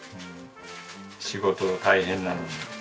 仕事大変なのに。